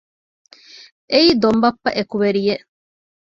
އެއީ ދޮންބައްޕަ އެކުވެރިއެއް